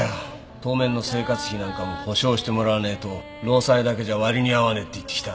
当面の生活費なんかも保証してもらわねえと労災だけじゃ割りに合わねえって言ってきた。